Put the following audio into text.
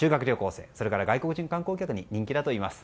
生それから外国人観光客に人気だといいます。